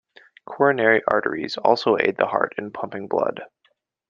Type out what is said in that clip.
Coronary arteries also aid the heart in pumping blood.